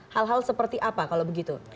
hal hal seperti apa kalau begitu